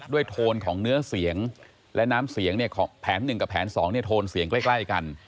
โทนของเนื้อเสียงและน้ำเสียงเนี่ยแผนหนึ่งกับแผน๒โทนเสียงใกล้กัน